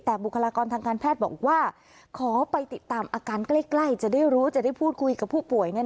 แต่บุคลากรทางการแพทย์บอกว่าขอไปติดตามอาการใกล้จะได้รู้จะได้พูดคุยกับผู้ป่วย